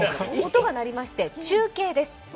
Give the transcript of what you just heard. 音がなりまして中継です。